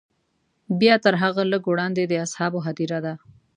بیا تر هغه لږ وړاندې د اصحابو هدیره ده.